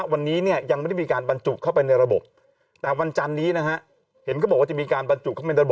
วันนี้เนี่ยยังไม่ได้มีการบรรจุเข้าไปในระบบแต่วันจันนี้นะฮะเห็นเขาบอกว่าจะมีการบรรจุเข้าไประบบ